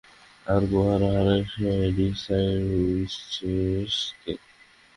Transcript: আর গো-হারা হারাই Shadyside Witches কে।